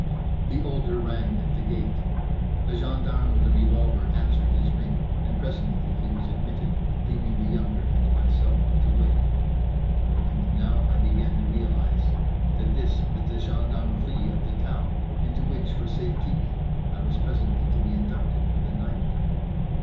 The older rang at the gate. A gendarme with a revolver answered his ring; and presently he was admitted, leaving the younger and myself to wait. And now I began to realize that this was the gendarmerie of the town, into which for safe keeping I was presently to be inducted for the night.